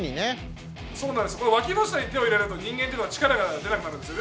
わきの下に手を入れると人間っていうのは力が出なくなるんですよ。